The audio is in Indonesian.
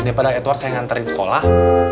daripada edward saya nganterin sekolah